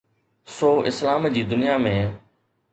سو اسلام جي دنيا ۾.